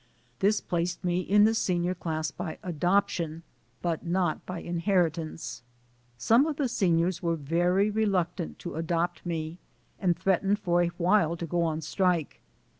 This placed me in the MY AMERICAN EDUCATION 169 senior class by adoption, but not by inheritance. Some of the seniors were very reluctant to adopt me and threatened for a while to go on strike.